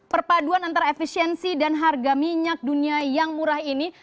perpaduan antara efisiensi dan harga minyak dunia yang murah ini